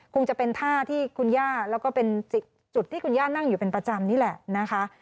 คงจะเป็นท่าที่คุณย่าแล้วก็เป็นจุดที่คุณย่านั่งอยู่เป็นประจำนี่แหละนะคะ